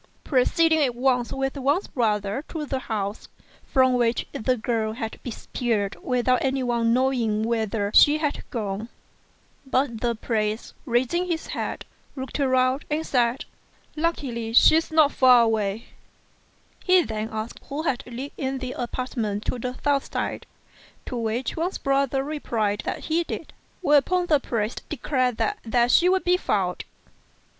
pro ceeding at once with Wang's brother to the house, from which the girl had disappeared without anyone knowing whither she had gone. But the priest, raising his head, looked all round, and said, "Luckily she's not far off." He then asked who lived in the apartments on the south side, to which Wang's brother replied that he did; whereupon the priest declared that there she would be found.